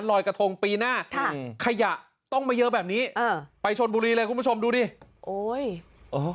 รอยกระทงปีหน้าค่ะขยะต้องมาเยอะแบบนี้อ่าไปชนบุรีเลยคุณผู้ชมดูดิโอ้ยเออ